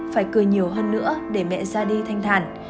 phải cười nhiều hơn nữa để mẹ ra đi thanh thản